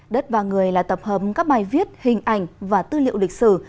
đất và người là tập hợp các bài viết hình ảnh và tư liệu lịch sử